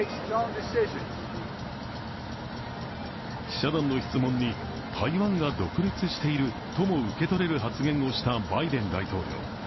記者団の質問に、台湾が独立しているとも受け取れる発言をしたバイデン大統領。